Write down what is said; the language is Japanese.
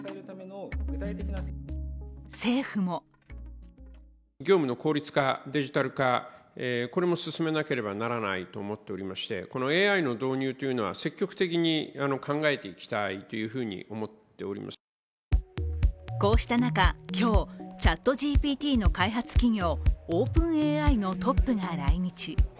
政府もこうした中、今日、ＣｈａｔＧＰＴの開発企業、ＯｐｅｎＡＩのトップが来日。